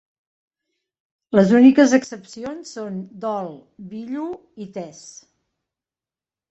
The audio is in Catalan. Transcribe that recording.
Les úniques excepcions són "Dhol", "Billu" i "Tezz".